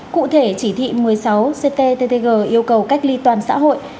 cụ thể chỉ thị một mươi sáu cttg yêu cầu cách ly toàn xã hội